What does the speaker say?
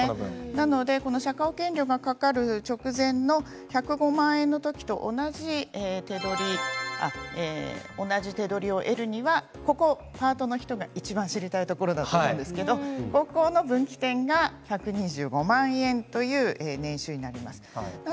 なので社会保険料がかかる直前の１０５万円のときと同じ手取りを得るにはここはパートの人がいちばん知りたいところだと思うんですけれどもここの分岐点が１２５万円という年収になります。